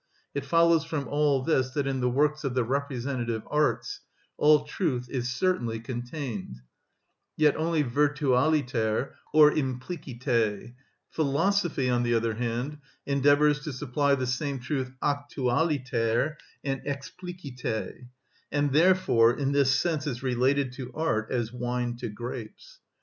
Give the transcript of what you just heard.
It follows from all this that in the works of the representative arts all truth is certainly contained, yet only virtualiter or implicite; philosophy, on the other hand, endeavours to supply the same truth actualiter and explicite, and therefore, in this sense, is related to art as wine to grapes.